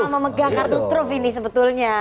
sama sama memegang kartu truf ini sebetulnya